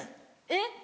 えっ？